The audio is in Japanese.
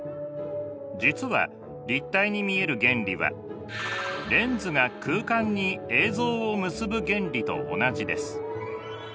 実は立体に見える原理はレンズが空間に映像を結ぶ原理と同じです。